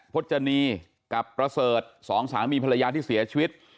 พจนีกับประเสริฐสองสามีภรรยาที่เสียชีวิต